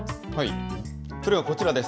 それがこちらです。